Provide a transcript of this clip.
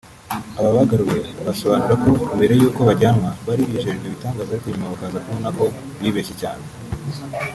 Aba bagaruwe basobanura ko mbere y’uko bajyanwa bari bijejwe ibitangaza ariko nyuma bakaza kubona ko bibeshye cyane